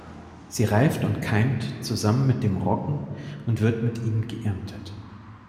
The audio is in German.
Sie reift und keimt zusammen mit dem Roggen und wird mit ihm geerntet.